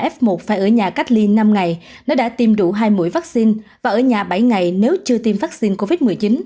f một phải ở nhà cách ly năm ngày nếu đã tiêm đủ hai mũi vaccine và ở nhà bảy ngày nếu chưa tiêm vaccine covid một mươi chín